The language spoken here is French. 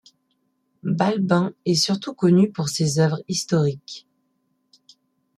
Balbin est surtout connu pour ses œuvres historiques.